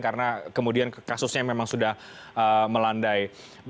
karena kemudian kasusnya memang sudah melandai